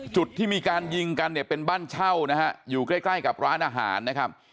จุดที่มีการยิงกันเนี่ยเป็นบ้านเช่านะฮะอยู่ใกล้ใกล้กับร้านอาหารนะครับ